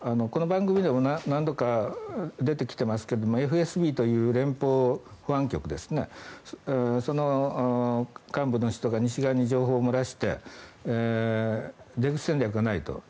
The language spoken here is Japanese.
この番組でも何度か出てきていますがＦＳＢという連邦保安局ですねその幹部の人が西側に情報を漏らして出口戦略がないと。